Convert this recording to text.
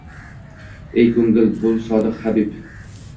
Ey ko’ngil, bo’l sodiq habib